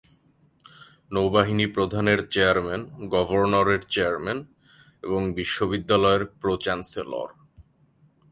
নৌবাহিনী প্রধানের চেয়ারম্যান গভর্নরের চেয়ারম্যান এবং বিশ্ববিদ্যালয়ের প্রো-চ্যান্সেলর।